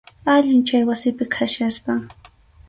Allin chay wasipi kachkaspam.